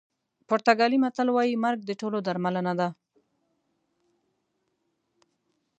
پرتګالي متل وایي مرګ د ټولو درملنه ده.